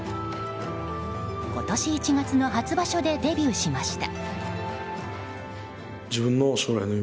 今年１月の初場所でデビューしました。